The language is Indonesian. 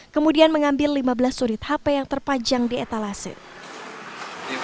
kemudian mengambil lima belas surit hp yang terpajang di etala sel